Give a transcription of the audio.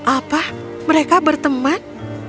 apa mereka berteman